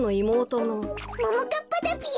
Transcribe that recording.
ももかっぱだぴよ。